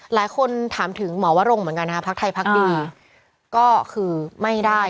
หลายคนถามถึงหมอวรงเหมือนกันนะฮะพักไทยพักดีก็คือไม่ได้